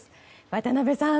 渡辺さん